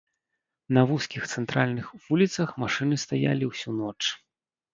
На вузкіх цэнтральных вуліцах машыны стаялі ўсю ноч.